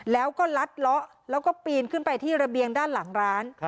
แล้วก็ลัดเลาะแล้วก็ปีนขึ้นไปที่ระเบียงด้านหลังร้าน